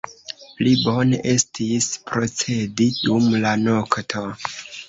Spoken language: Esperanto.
Pli bone estis procedi dum la nokto.